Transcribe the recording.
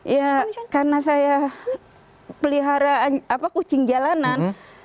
ya karena saya pelihara kucing jalanan